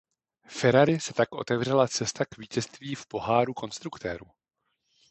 Ferrari se tak otevřela cesta k vítězství v Poháru konstruktérů.